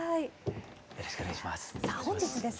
よろしくお願いします。